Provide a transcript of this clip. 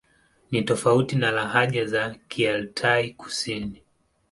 Ni tofauti na lahaja za Kialtai-Kusini.